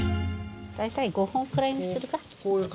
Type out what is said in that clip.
大体５本くらいにするか？